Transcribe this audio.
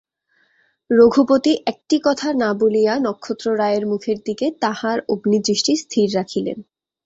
রঘুপতি একটি কথা না বলিয়া নক্ষত্ররায়ের মুখের দিকে তাঁহার অগ্নিদৃষ্টি স্থির রাখিলেন।